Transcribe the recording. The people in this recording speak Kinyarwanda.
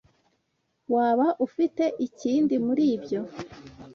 Waba ufite ikindi muri ibyo?